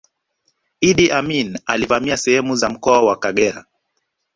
iddi amini alivamia sehemu za mkoa wa kagera